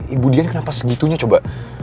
ibu dian kenapa segitunya coba